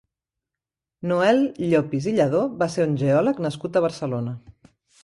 Noel Llopis i Lladó va ser un geòleg nascut a Barcelona.